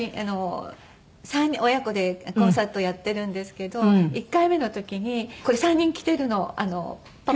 ３人親子でコンサートをやってるんですけど１回目の時にこれ３人着てるのパパの。